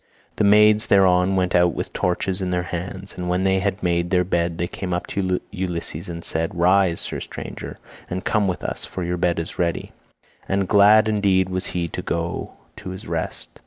The maids thereon went out with torches in their hands, and when they had made the bed they came up to Ulysses and said, "Rise, sir stranger, and come with us for your bed is ready," and glad indeed was he to go to his rest.